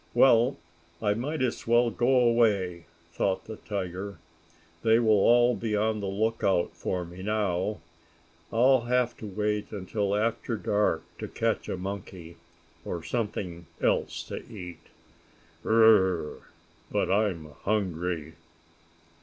"Well, I might as well go away," thought the tiger. "They will all be on the lookout for me now. I'll have to wait until after dark to catch a monkey, or something else to eat. Bur r r r r r! But I'm hungry!"